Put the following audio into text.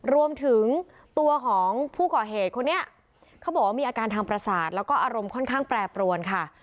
รวมถึงตัวของผู้ก่อเหตุคนนี้เขาบอกว่ามีอาการทางประสาทแล้วก็อารมณ์ค่อนข้างแปรปรวนค่ะ